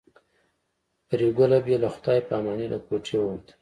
پري ګله بې له خدای په امانۍ له کوټې ووتله